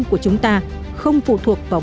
của chúng ta không phụ thuộc vào